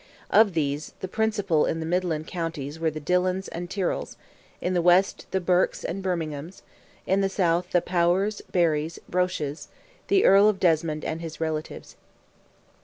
Of these, the principal in the midland counties were the Dillons and Tyrrells, in the West the Burkes and Berminghams, in the South the Powers, Barrys, Roches—the Earl of Desmond and his relatives.